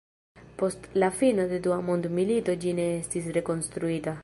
Post la fino de Dua Mondmilito ĝi ne estis rekonstruita.